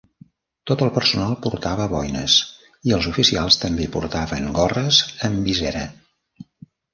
Tot el personal portava boines i els oficials també portaven gorres amb visera.